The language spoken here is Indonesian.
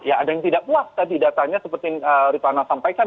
ya ada yang tidak puas tadi datanya seperti ripana sampaikan